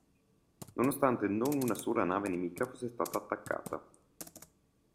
Nonostante non una sola nave nemica fosse stata attaccata.